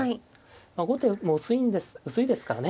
まあ後手も薄いですからね